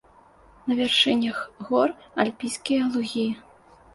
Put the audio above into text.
На вяршынях гор альпійскія лугі.